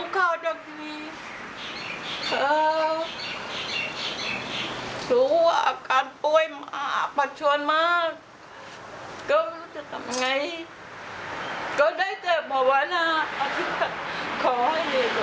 ก็ได้เจ็บเผาะวะนะขอให้พ่อหาย